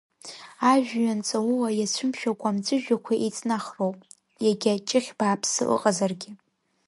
Ажәҩан ҵаула иацәымшәакәа амҵәыжәҩақәа еиҵнахроуп, иагьа ҷыхь бааԥсы ыҟазаргьы!